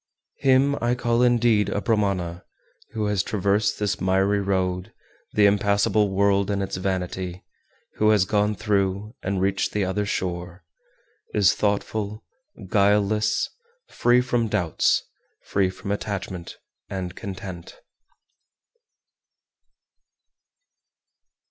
414. Him I call indeed a Brahmana who has traversed this miry road, the impassable world and its vanity, who has gone through, and reached the other shore, is thoughtful, guileless, free from doubts, free from attachment, and content.